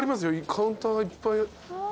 カウンターがいっぱい。